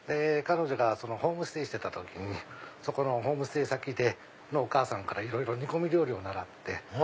彼女がホームステイしてた時にホームステイ先のお母さんからいろいろ煮込み料理を習って。